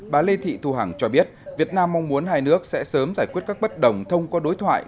bà lê thị thu hằng cho biết việt nam mong muốn hai nước sẽ sớm giải quyết các bất đồng thông qua đối thoại